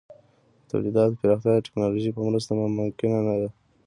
د تولیداتو پراختیا د ټکنالوژۍ په مرسته ممکنه ده.